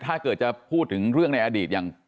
ถ้าเกิดจะพูดถึงเรื่องในอดีตอย่าง